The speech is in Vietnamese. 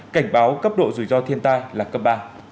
cảnh báo cấp độ rủi ro thiên tai là cấp ba